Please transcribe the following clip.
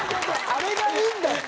あれがいいんだって！